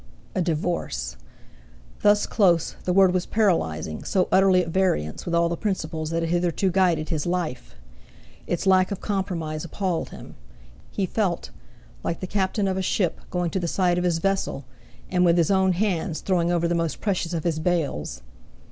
A divorce! Thus close, the word was paralyzing, so utterly at variance with all the principles that had hitherto guided his life. Its lack of compromise appalled him; he felt—like the captain of a ship, going to the side of his vessel, and, with his own hands throwing over the most precious of his bales.